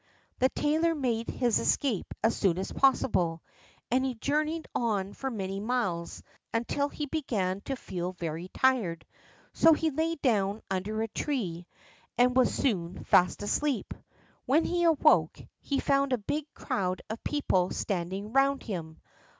The tailor made his escape as soon as possible, and he journeyed on for many miles, until he began to feel very tired, so he lay down under a tree, and was soon fast asleep. When he awoke, he found a big crowd of people standing round him.